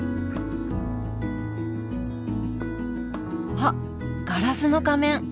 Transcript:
あっ「ガラスの仮面」。